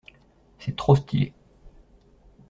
C'est trop stylé.